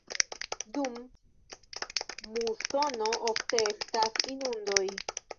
Dum musono ofte estas inundoj.